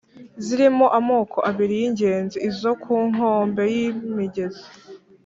zirimo amoko abiri y’ingenzi: izo ku nkombe y’imigezi